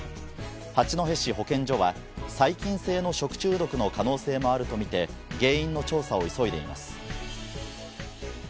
八戸市保健所は、細菌性の食中毒の可能性もあると見て、原因の調査を急いでいます。